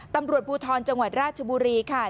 ตำรวจภูทรจังหวัดราชบุรีค่ะ